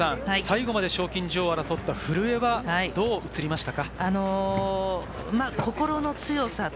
最後まで賞金女王を争った古江は、どう映りましたか？